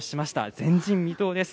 前人未踏です。